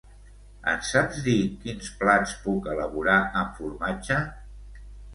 Em saps dir quins plats puc elaborar amb formatge?